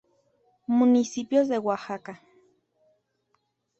Municipios de Oaxaca